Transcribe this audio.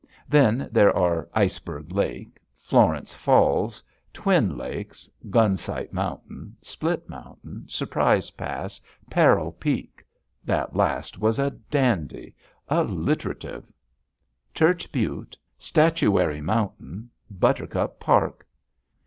Then there are Iceberg Lake, Florence Falls, Twin Lakes, Gunsight Mountain, Split Mountain, Surprise Pass, Peril Peak, that last was a dandy! Alliterative! Church Butte, Statuary Mountain, Buttercup Park.